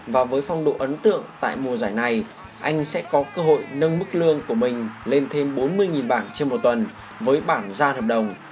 và với phong độ ấn tượng tại mùa giải này anh sẽ có cơ hội nâng mức lương của mình lên thêm bốn mươi bảng trên một tuần với bảng gia hợp đồng